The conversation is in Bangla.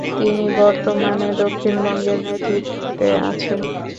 তিনি বর্তমানে দক্ষিণ বঙ্গের নেতৃত্বে আছেন।